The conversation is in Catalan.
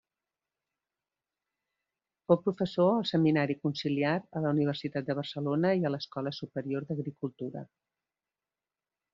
Fou professor al Seminari Conciliar, a la Universitat de Barcelona i a l'Escola Superior d'Agricultura.